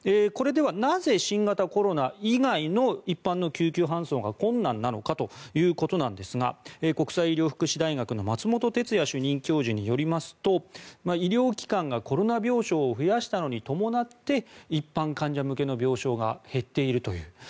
これではなぜ、新型コロナ以外の一般の救急搬送が困難なのかということなんですが国際医療福祉大学の松本哲哉主任教授によりますと医療機関がコロナ病床を増やしたのに伴って一般患者向けの病床が減っているという。